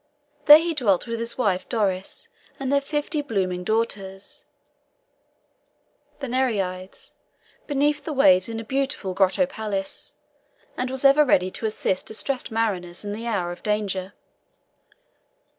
There he dwelt with his wife Doris and their fifty blooming daughters, the Nereides, beneath the waves in a beautiful grotto palace, and was ever ready to assist distressed mariners in the hour of danger.